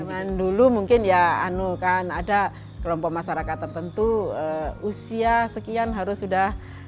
dan dulu mungkin ya kan ada kelompok masyarakat tertentu usia sekian harus mengatau segala galanya